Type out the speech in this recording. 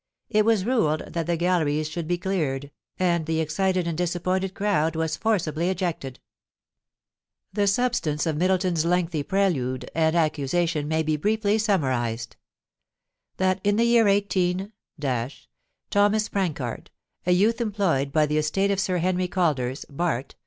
It was ruled that the galleries should be cleared, and the excited and disappointed crowd was forcibly ejected The substance of Middleton's lengthy prelude and accusation may be briefly summarised : That in the year 18 — Thomas Prancard, a youth em ployed upon the estate of Sir Henry Calders, Bart.